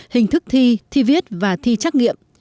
hình thức thi thi viết và thi trắc nghiệm